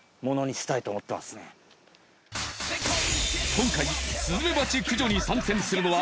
今回スズメバチ駆除に参戦するのは。